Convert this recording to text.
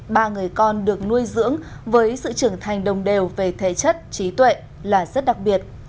ba người con được nuôi dưỡng với sự trưởng thành đồng đều về thể chất trí tuệ là rất đặc biệt